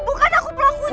bukan aku pelakunya